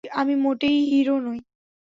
আমি মোটেই হিরো নই।